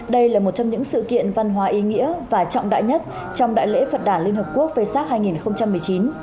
đây là một trong những sự kiện văn hóa ý nghĩa và trọng đại nhất trong đại lễ phật đả liên hợp quốc về sát hai nghìn một mươi chín